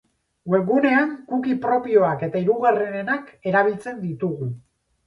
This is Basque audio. Webgunean cookie propioak eta hirugarrenenak erabiltzen ditugu.